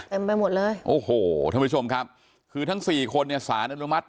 ไปหมดเลยโอ้โหท่านผู้ชมครับคือทั้งสี่คนเนี่ยสารอนุมัติ